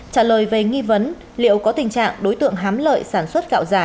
trả lời về nghi vấn liệu có tình trạng đối tượng hám lợi sản xuất gạo giả